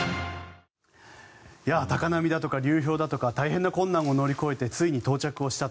高波だとか流氷だとか大変な困難を乗り越えてついに到着したと。